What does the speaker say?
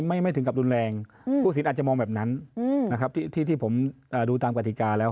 ไม่ถึงกับรุนแรงผู้สินอาจจะมองแบบนั้นนะครับที่ผมดูตามกฎิกาแล้ว